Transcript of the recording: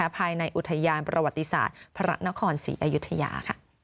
ภายในอุทยานประวัติศาสตร์พระนครศรีอยุธยา